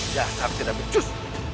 dah kita harus kejus